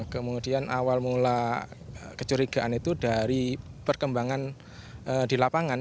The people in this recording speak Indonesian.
kemudian awal mula kecurigaan itu dari perkembangan di lapangan